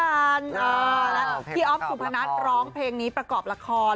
แล้วพี่อ๊อฟสุพนัทร้องเพลงนี้ประกอบละคร